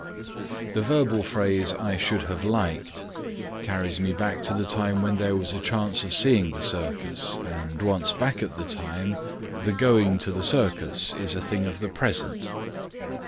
The verbal phrase I should have liked carries me back to the time when there was a chance of seeing the circus and once back at the time, the going to the circus is a thing of the present.